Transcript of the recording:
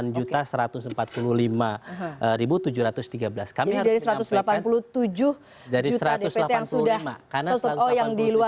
jadi dari satu ratus delapan puluh tujuh juta dpt yang sudah